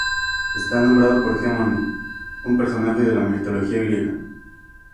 Está nombrado por Hermíone, un personaje de la mitología griega.